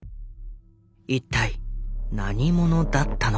一体何者だったのか？